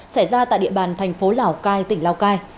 xảy ra tại địa bàn thành phố lào cai tỉnh lào cai